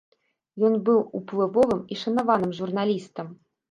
Ён быў уплывовым і шанаваным журналістам.